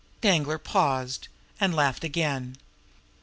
Danglar paused and laughed again.